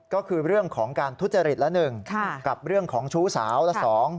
ก็คือเรื่องของการทุจริตละหนึ่งกับเรื่องของชู้สาวละสอง